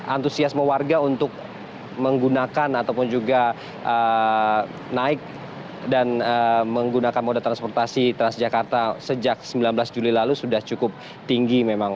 antusiasme warga untuk menggunakan ataupun juga naik dan menggunakan moda transportasi transjakarta sejak sembilan belas juli lalu sudah cukup tinggi memang